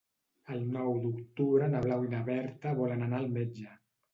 El nou d'octubre na Blau i na Berta volen anar al metge.